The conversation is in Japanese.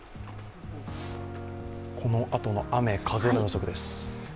このあとの雨、風の予測です。